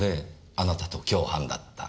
あなたと共犯だった。